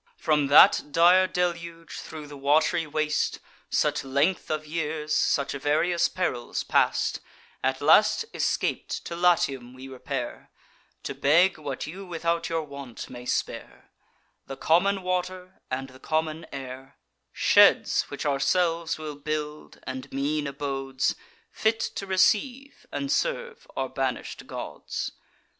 From that dire deluge, thro' the wat'ry waste, Such length of years, such various perils past, At last escap'd, to Latium we repair, To beg what you without your want may spare: The common water, and the common air; Sheds which ourselves will build, and mean abodes, Fit to receive and serve our banish'd gods.